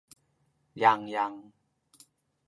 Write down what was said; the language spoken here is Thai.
ยังยัง